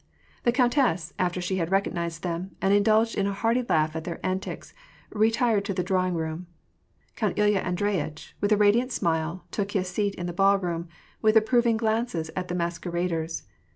The countess, after she had recognized them, and indulged in a hearty laugh at their antics, retired into the drawing room. Count Ilya Andre3ritch, with a radiant smile, took his seat in the ballroom, with approving glances at the masqueraders.